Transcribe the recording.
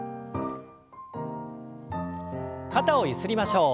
肩をゆすりましょう。